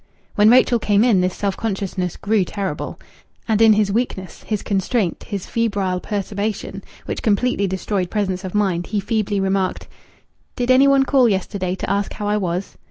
When Rachel came in, this self consciousness grew terrible. And in his weakness, his constraint, his febrile perturbation which completely destroyed presence of mind, he feebly remarked "Did any one call yesterday to ask how I was?"